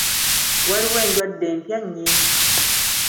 Waliwo endwadde empya nnyingi.